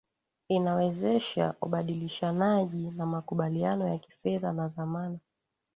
inawezesha ubadilishanaji na makubaliano ya kifedha na dhamana